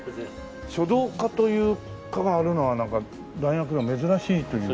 書道科という科があるのはなんか大学では珍しいという。